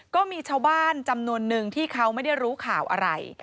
ก็มีชาวบ้านจำนวนนึงที่เขาไม่ได้รู้ข่าวอะไร